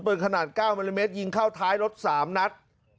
เปิงขนาด๙๐เมตรยิงเข้าท้ายรถ๓นัท